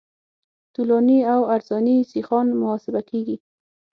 طولاني او عرضاني سیخان محاسبه کیږي